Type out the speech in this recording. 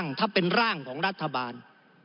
ถ้าเป็นร่างของรัฐบาล